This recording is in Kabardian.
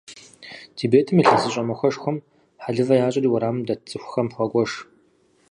Тибетым ИлъэсыщӀэ махуэшхуэм хьэлывэ ящӀри, уэрамым дэт цӀыхухэм хуагуэш.